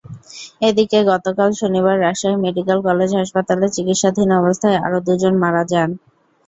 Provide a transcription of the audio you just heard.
এদিকে, গতকাল শনিবার রাজশাহী মেডিকেল কলেজ হাসপাতালে চিকিৎসাধীন অবস্থায় আরও দুজন মারা যান।